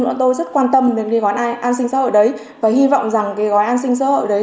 mọi người rất quan tâm đến gói an sinh sở hữu đấy và hy vọng rằng gói an sinh sở hữu đấy